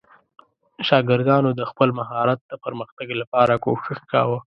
شاګردانو د خپل مهارت د پرمختګ لپاره کوښښ کاوه.